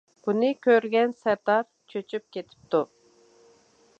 بۇنى كۆرگەن سەردار چۆچۈپ كېتىپتۇ.